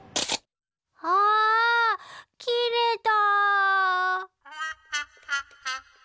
あきれた。